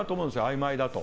あいまいだと。